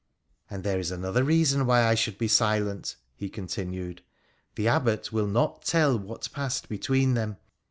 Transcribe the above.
' And there is another reason why I should be silent,' he continued. ' The Abbot will not tell what passed between them.